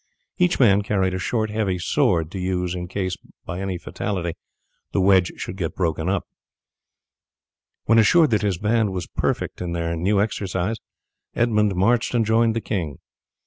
Each man carried a short heavy sword to use in case, by any fatality, the wedge should get broken up. When assured that his band were perfect in their new exercise Edmund marched and joined the king.